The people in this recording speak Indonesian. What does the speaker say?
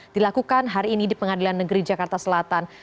dilakukan hari ini di pengadilan negeri jakarta selatan